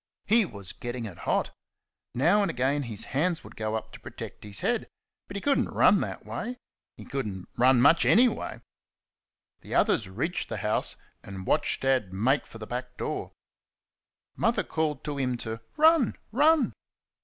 He was getting it hot. Now and again his hands would go up to protect his head, but he could n't run that way he could n't run much any way. The others reached the house and watched Dad make from the back door. Mother called to him to "Run, run!"